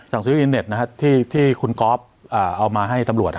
สั่งซื้ออินเทอร์เน็ตนะครับที่คุณก๊อฟเอามาให้ตำรวจ